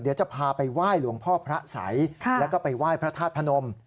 เดี๋ยวจะพาไปไหว้หลวงพ่อพระสัยแล้วก็ไปไหว้พระธาตุพนม